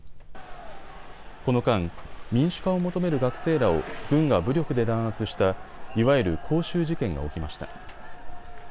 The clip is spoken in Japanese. この間、民主化を求める学生らを軍が武力で弾圧したいわゆる光州事件が起きました。